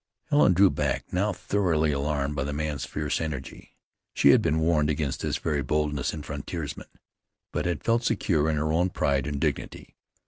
Helen drew back, now thoroughly alarmed by the man's fierce energy. She had been warned against this very boldness in frontiersmen; but had felt secure in her own pride and dignity.